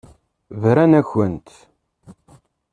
Brant-akent.